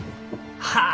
はあ